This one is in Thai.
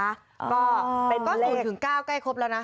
ก็๐๙ใกล้ครบแล้วนะ